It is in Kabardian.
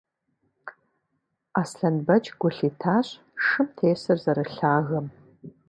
Аслъэнбэч гу лъитащ шым тесыр зэрылъагэм.